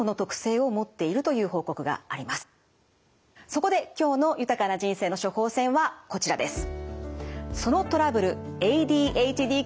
そこで今日の豊かな人生の処方せんはこちらです。